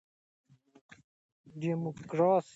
ډوموټکس نړېوال نندارتون کې د افغانستان غالۍ لومړی مقام ګټلی!